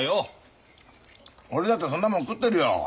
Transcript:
俺だってそんなもん食ってるよ。